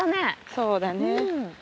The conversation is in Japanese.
そうだね。